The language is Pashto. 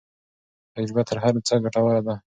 تجربه تر هر څه ګټوره ده.